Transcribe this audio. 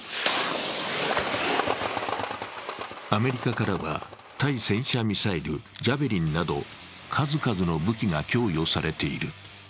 アメリカからは、対戦車ミサイルジャベリンなど、数々の武器が供与されている。